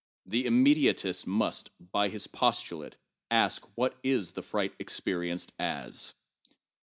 The immediatist must, by his postulate, ask what is the fright experienced as.